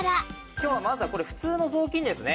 今日はまずはこれ普通の雑巾ですね。